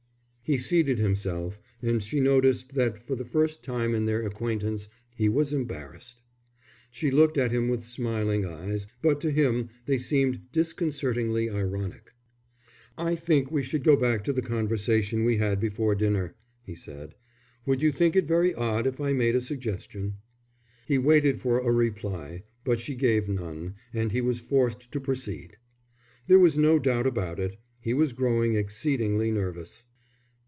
He seated himself, and she noticed that for the first time in their acquaintance, he was embarrassed. She looked at him with smiling eyes, but to him they seemed disconcertingly ironic. "I think we should go back to the conversation we had before dinner," he said. "Would you think it very odd if I made a suggestion?" He waited for a reply, but she gave none, and he was forced to proceed. There was no doubt about it, he was growing exceedingly nervous.